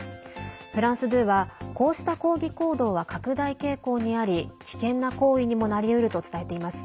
フランス２はこうした抗議行動は拡大傾向にあり危険な行為にもなりうると伝えています。